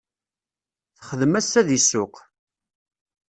Texdem ass-a deg ssuq.